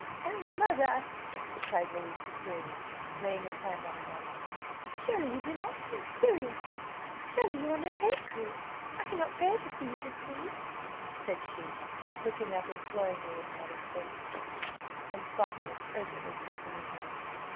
"Oh, mother!" cried Lady Cecilia, laying her hand on her mother's, "surely you do not think seriously surely you are not angry I cannot bear to see you displeased," said she, looking up imploringly in her mother's face, and softly, urgently pressing her hand.